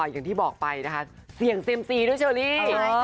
อย่างที่บอกไปนะคะเสี่ยงเซ็มซีด้วยเชอรี่